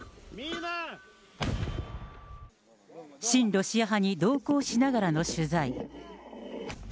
親ロシア派に同行しながらの取材。